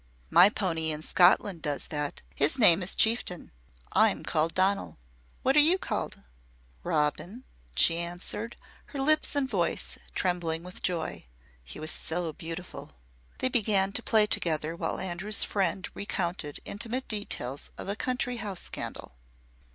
"My pony in Scotland does that. His name is Chieftain. I'm called Donal. What are you called?" "Robin," she answered, her lips and voice trembling with joy. He was so beautiful. They began to play together while Andrews' friend recounted intimate details of a country house scandal.